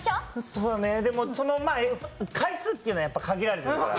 そうね、でも回数というのはやっぱり限られてるから。